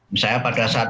misalnya pada saat